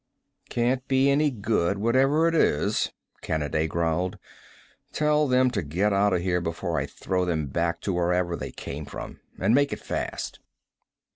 "Can't be any good, whatever it is," Kanaday growled. "Tell them to get out of here before I throw them back to wherever they came from. And make it fast."